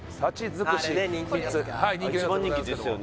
づくし一番人気ですよね